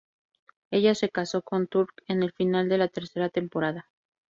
Ella se casó con Turk en el final de la tercera temporada.